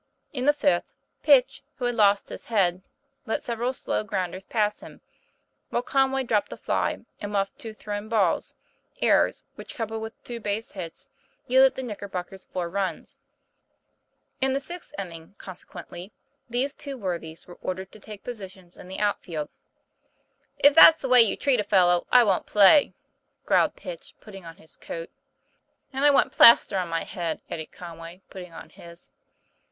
In the fifth, Pitch, who had lost his head, let sev eral slow grounders pass him, while Conway dropped a fly and muffed two thrown balls errors which, coupled with two base hits, yielded the Knicker bockers four runs. In the sixth inning, consequently, 216 TOM PLAYFAIR. these two worthies were ordered to take positions in the out field. " If that's the way you treat a fellow, I won't play," growled Pitch, putting on his coat. "And I want plaster for my head," added Con way, putting on his.